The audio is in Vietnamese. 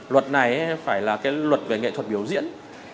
luật này phải là cái luật về nghệ thuật biểu diễn